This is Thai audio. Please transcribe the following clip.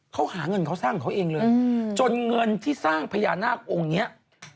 เขาหาเงินเขาสร้างเขาเองเลย